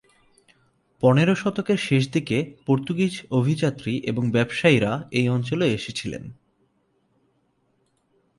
পনেরো শতকের শেষ দিকে পর্তুগিজ অভিযাত্রী এবং ব্যবসায়ীরা এই অঞ্চলে এসেছিলেন।